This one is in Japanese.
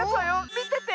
みてて！